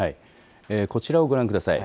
こちらをご覧ください。